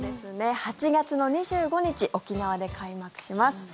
８月の２５日沖縄で開幕します。